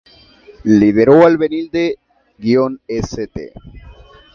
Lideró al Benilde-St.